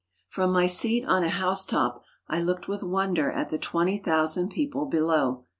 From my seat on a housetop I looked with wonder at the twenty thousand people below.